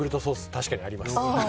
確かにあります。